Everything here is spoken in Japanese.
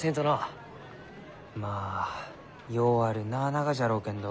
まあようある名ながじゃろうけんど。